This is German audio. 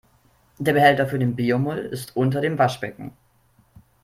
Der Behälter für den Biomüll ist unter dem Waschbecken.